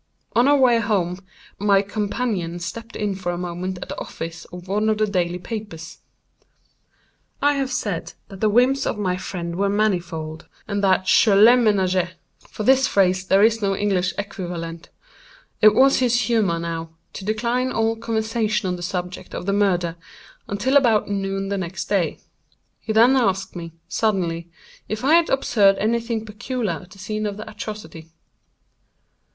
On our way home my companion stepped in for a moment at the office of one of the daily papers. I have said that the whims of my friend were manifold, and that Je les ménageais:—for this phrase there is no English equivalent. It was his humor, now, to decline all conversation on the subject of the murder, until about noon the next day. He then asked me, suddenly, if I had observed any thing peculiar at the scene of the atrocity.